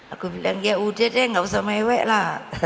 aku bilang ya udah deh gak usah mewek lah